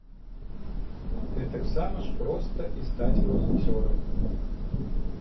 Гэтаксама ж проста і стаць валанцёрам.